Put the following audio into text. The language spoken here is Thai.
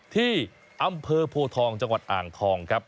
ที่อำเภอโพทองจังหวัดอ่างทองครับ